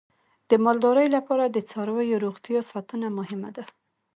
د مالدارۍ لپاره د څارویو روغتیا ساتنه مهمه ده.